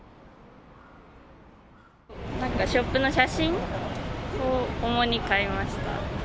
ショップの写真を主に買いました。